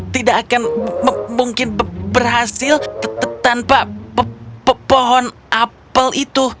tidak akan mungkin berhasil tanpa pohon apel itu